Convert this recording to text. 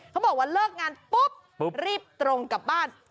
เขาบอกว่าเลิกงานปุ๊บรีบตรงกลับบ้าน